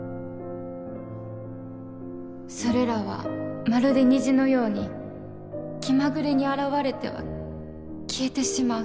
それらはまるで虹のように気まぐれに現れては消えてしまう。